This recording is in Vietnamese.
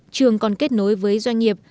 trường còn kết nối với doanh nghiệp